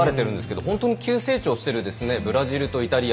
本当に急成長しているブラジルとイタリア